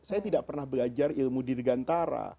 saya tidak pernah belajar ilmu di gantara